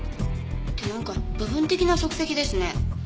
ってなんか部分的な足跡ですね。